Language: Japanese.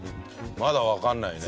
まだわからないね。